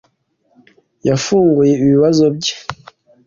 yafunguye ibibazo bye.